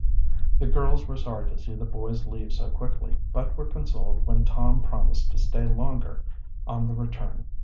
The girls were sorry to see the boys leave so quickly, but were consoled when Tom promised to stay longer on the return.